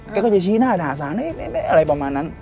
ก็จะชี้หน้าด่าสารอะไรประมาณนั้น